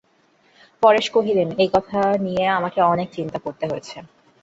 পরেশ কহিলেন, এই কথা নিয়ে আমাকে অনেক চিন্তা করতে হয়েছে।